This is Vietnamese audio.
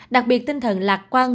đặc biệt tinh thần lạc quan